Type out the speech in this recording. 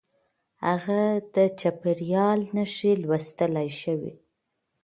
هغه د چاپېريال نښې لوستلای شوې.